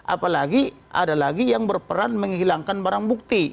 apalagi ada lagi yang berperan menghilangkan barang bukti